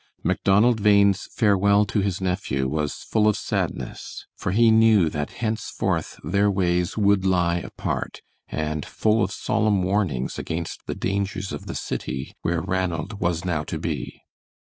Macdonald Bhain's farewell to his nephew was full of sadness, for he knew that henceforth their ways would lie apart, and full of solemn warnings against the dangers of the city where Ranald was now to be.